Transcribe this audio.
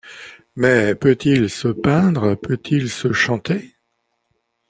Mais peut-il se peindre, peut-il se chanter ?